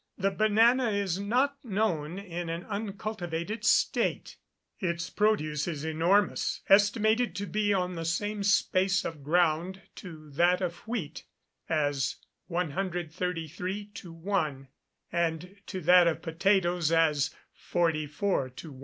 The banana is not known in an uncultivated state. Its produce is enormous, estimated to be on the same space of ground to that of wheat, as 133 to 1, and to that of potatoes as 44 to 1.